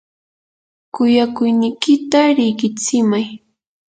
kuyakuynikita riqitsimay.